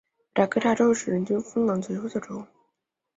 北达科他州是人均风能最多的州。